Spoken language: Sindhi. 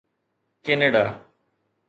ڪينيڊا